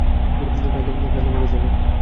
ফাজলামি করছেন নাকি?